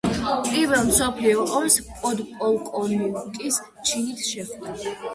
პირველ მსოფლიო ომს პოდპოლკოვნიკის ჩინით შეხვდა.